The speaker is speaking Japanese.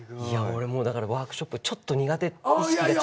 俺もうだからワークショップちょっと苦手意識で。